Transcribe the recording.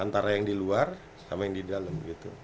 antara yang di luar sama yang di dalam